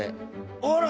ほら！